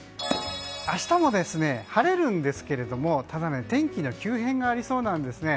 明日も晴れるんですけれどもただ天気の急変がありそうなんですね。